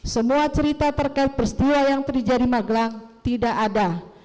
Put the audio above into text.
semua cerita terkait peristiwa yang terjadi di magelang tidak ada